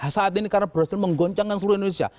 saat ini karena berhasil menggoncangkan seluruh indonesia